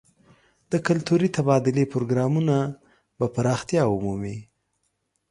د کلتوري تبادلې پروګرامونه به پراختیا ومومي.